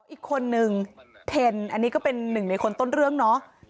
อีกคนนึงเทนอันนี้ก็เป็นหนึ่งในคนต้นเรื่องเนาะ